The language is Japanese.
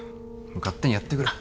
勝手にやってくれ。